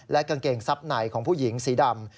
กางเกงซับในของผู้หญิงสีดำ